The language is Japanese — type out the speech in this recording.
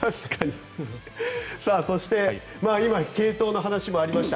そして、今継投の話もありました。